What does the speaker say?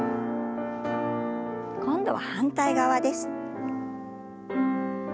今度は反対側です。